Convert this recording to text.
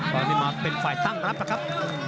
ตอนนี้มาเป็นฝ่ายตั้งรับนะครับ